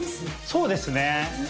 そうですね。